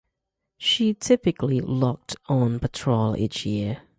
She typically logged on patrol each year.